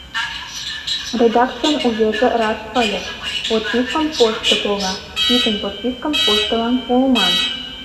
Редакцийын уверже раш ыльыс: «Подпискым почта пога, пӱтынь подпискым почтылан пуыман».